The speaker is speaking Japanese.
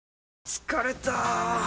疲れた！